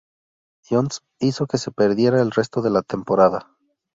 John's hizo que se perdiera el resto de la temporada.